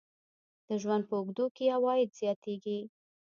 د ژوند په اوږدو کې عواید زیاتیږي.